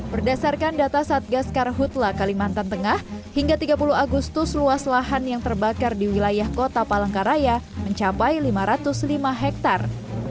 berdasarkan data satgas karhutla kalimantan tengah hingga tiga puluh agustus luas lahan yang terbakar di wilayah kota palangkaraya mencapai lima ratus lima hektare